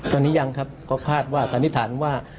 ตอนนี้ยังครับก็คาดว่าสันนิษฐานว่า